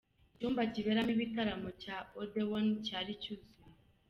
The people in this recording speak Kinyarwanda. Icyumba kiberamo ibitaramo cya Odéon cyari cyuzuye.